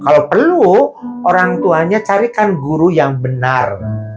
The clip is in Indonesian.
kalau perlu orang tuanya carikan guru yang benar